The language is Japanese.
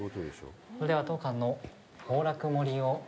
それでは当館の宝楽盛りを。